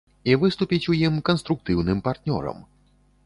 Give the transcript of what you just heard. І выступіць у ім канструктыўным партнёрам.